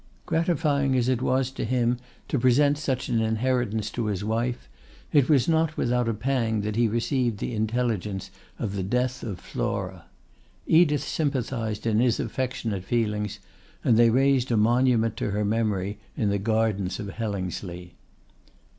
Gratifying as it was to him to present such an inheritance to his wife, it was not without a pang that he received the intelligence of the death of Flora. Edith sympathised in his affectionate feelings, and they raised a monument to her memory in the gardens of Hellingsley.